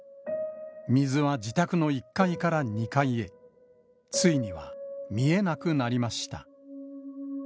水は自宅の１階から２階へ、ついには見えなくなりました。